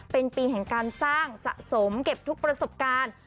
เป็นปีแห่งการสร้างสะสมเก็บทุกประสบการณ์